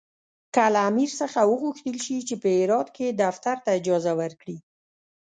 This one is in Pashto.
که له امیر څخه وغوښتل شي چې په هرات کې دفتر ته اجازه ورکړي.